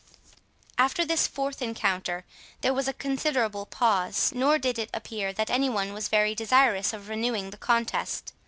After this fourth encounter, there was a considerable pause; nor did it appear that any one was very desirous of renewing the contest.